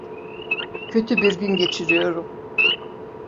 Kötü bir gün geçiriyorum.